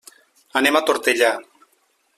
Anem a Tortellà.